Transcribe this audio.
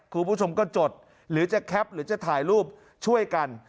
คุณผู้ชมก็จดหรือจะแคปหรือจะถ่ายรูปช่วยกัน